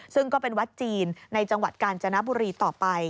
ซึ่งก็เป็นวัดจีนในจังหวัดกาญจนบุรีต่อไป